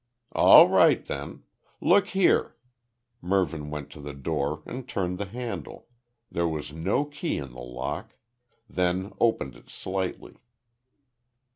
"All right then. Look here," Mervyn went to the door and turned the handle there was no key in the lock then opened it slightly.